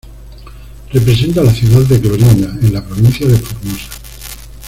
Representa a la ciudad de Clorinda, en la Provincia de Formosa.